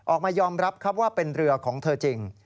ออกมายอมรับครับว่าเป็นเรือของเธอจริง